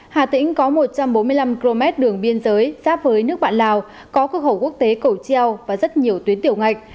hà tĩnh có một trăm bốn mươi năm km đường biên giới giáp với nước bạn lào có cửa khẩu quốc tế cầu treo và rất nhiều tuyến tiểu ngạch